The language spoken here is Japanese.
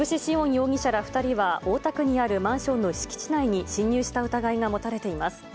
容疑者ら２人は、大田区にあるマンションの敷地内に侵入した疑いが持たれています。